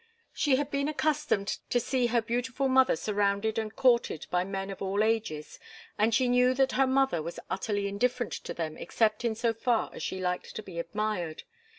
She had been accustomed to see her beautiful mother surrounded and courted by men of all ages, and she knew that her mother was utterly indifferent to them except in so far as she liked to be admired.